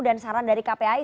dan saran dari kpi